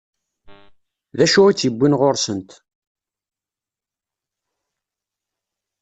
D acu i tt-iwwin ɣur-sent?